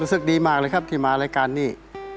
รู้สึกดีมากเลยครับที่มารายการนี้